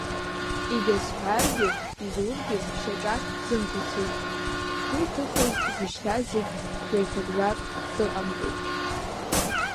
Егьа сҳәаргьы, изургьы, шьаҿак сзымқәацеит, сгәы иҭыхоз, сзышьҭаз зегь, бжа-еиҭабжак сзыҟамҵеит.